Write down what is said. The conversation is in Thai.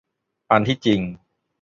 อันที่จริง